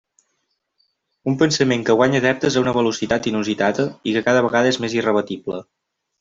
Un pensament que guanya adeptes a una velocitat inusitada i que cada vegada és més irrebatible.